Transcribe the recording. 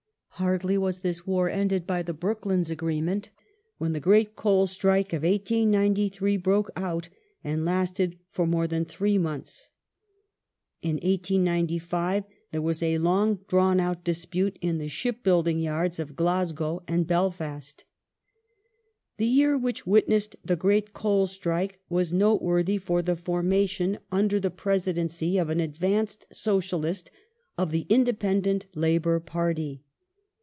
Hardly was this war ended by the Brooklands agreement when the great coal strike of 1893 broke out and lasted for more than three months. In 1895 there was a long drawn dispute in the shipbuilding yards of Glasgow and Belfast. Social Re The year which witnessed the great coal strike was noteworthy form £qj. ^YiQ foundation, under the presidency of an advanced socialist, of the Independent Labour Party.